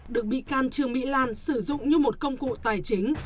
được bị can trương mỹ lan sử dụng như một công cụ tài chính